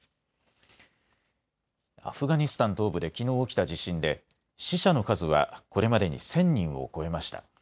アフガニスタン東部できのう起きた地震で死者の数はこれまでに１０００人を超えました。